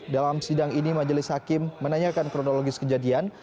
dalam sidang ini majelis hakim menanyakan kronologis kejadian